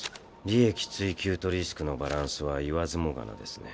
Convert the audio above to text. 利益追求とリスクのバランスは言わずもがなですね。